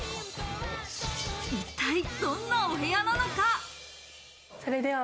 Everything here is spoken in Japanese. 一体どんなお部屋なのか？